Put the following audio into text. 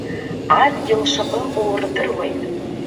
Адгьыл шаҟа ыҟоу рдыруеит.